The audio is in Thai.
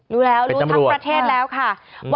รู้แล้วรู้ทั้งประเทศแล้วค่ะ